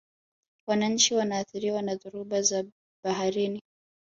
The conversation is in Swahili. wananchi wanaathiriwa na dhoruba za baharini